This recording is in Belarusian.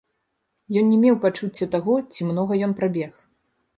Ён не меў пачуцця таго, ці многа ён прабег.